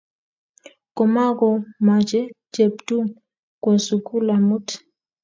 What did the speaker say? Komakomoche Cheptum kwo sukul amut